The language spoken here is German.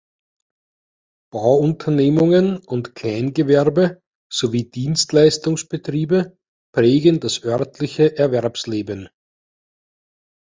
Bauunternehmungen und Kleingewerbe sowie Dienstleistungsbetriebe prägen das örtliche Erwerbsleben.